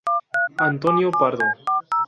Antonio Pardo